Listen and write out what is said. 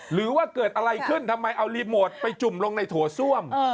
หรือว่าเกิดอะไรขึ้นทำไมเอารีโมทไปจุ่มลงในโถส้วม